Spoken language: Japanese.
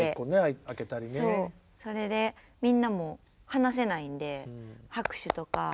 それでみんなも話せないんで拍手とか。